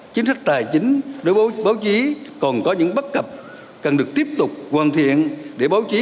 chính sách tài chính đối với báo chí còn có những bất cập cần được tiếp tục hoàn thiện để báo chí